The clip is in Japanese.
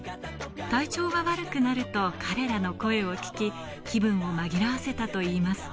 体調が悪くなると彼らの声を聞き、気分を紛らわせたといいます。